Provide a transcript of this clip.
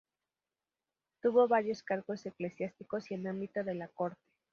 Tuvo varios cargos eclesiásticos y en ámbito de la corte.